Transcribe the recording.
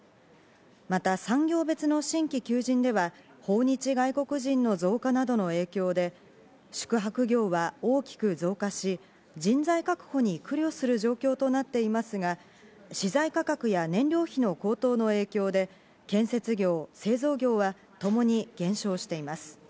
また産業別の新規求人では訪日外国人の増加などの影響で宿泊業は大きく増加し、人材確保に苦慮する状況となっていますが、資材価格や燃料費の高騰の影響で、建設業、製造業はともに減少しています。